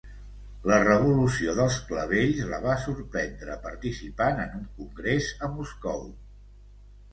La revolució dels clavells la va sorprendre participant en un congrés a Moscou.